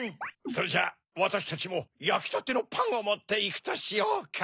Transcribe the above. それじゃわたしたちもやきたてのパンをもっていくとしようか。